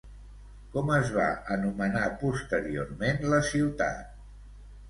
Com es va anomenar posteriorment la ciutat?